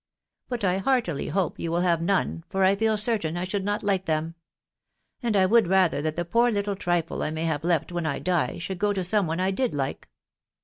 But I heartily hope you will have none, for I feel certain I should not like them ; and I would rather that the poor little trifle I may have left when I die, should go to some one I did like.